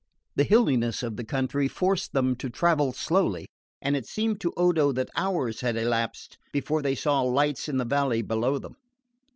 The hilliness of the country forced them to travel slowly, and it seemed to Odo that hours had elapsed before they saw lights in the valley below them.